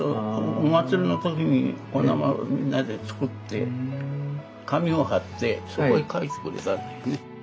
お祭りの時にこんなものみんなで作って紙を貼ってそこへ書いてくれたんだよね。